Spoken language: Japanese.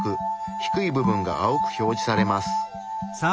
低い部分が青く表示されます。